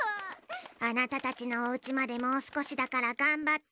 あなたたちのおうちまでもうすこしだからがんばって。